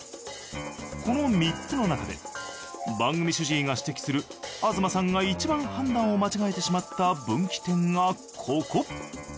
この３つの中で番組主治医が指摘する東さんがいちばん判断を間違えてしまった分岐点がここ。